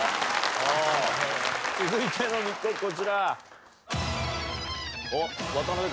続いての密告こちら。